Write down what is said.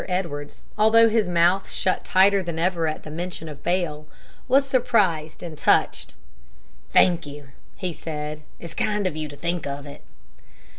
Edwards, although his mouth shut tighter than ever at the mention of bail, was surprised and touched. "Thank you," he said. "It's kind of you to think of it."